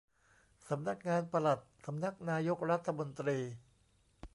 สำนักงานปลัดสำนักนายกรัฐมนตรี